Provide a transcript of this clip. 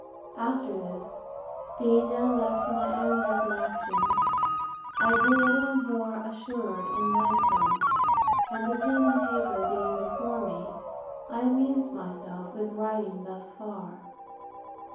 After this, being now left to my own recollection, I grew a little more assured and lightsome; and the pen and paper being before me, I amused myself with writing thus far.